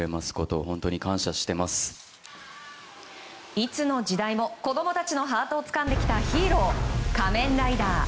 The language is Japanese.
いつの時代も子供たちのハートをつかんできたヒーロー、仮面ライダー。